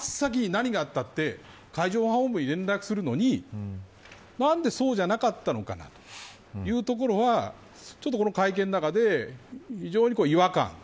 まず真っ先に、何があったって海上保安本部に連絡するのに何でそうじゃなかったのかというところは会見の中で非常に違和感。